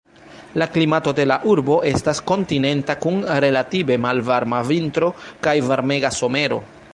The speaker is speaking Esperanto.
La klimato de la urbo estas kontinenta kun relative malvarma vintro kaj varmega somero.